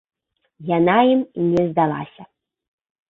Яна ім не здалася.